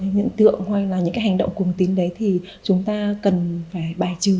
những tượng hoặc là những cái hành động cung tín đấy thì chúng ta cần phải bài trừ